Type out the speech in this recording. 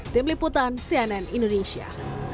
tim liputan cnn indonesia